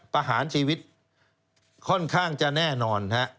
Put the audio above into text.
ประหารชีวิตค่อนข้างจะแน่นอนฮะ